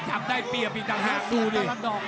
จับได้เปลี่ยลทั้ง๕สู้ด้วย